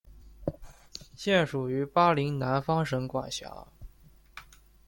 现属于巴林南方省管辖。